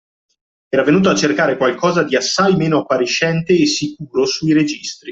Era venuto a cercare qualcosa di assai meno appariscente e sicuro sui registri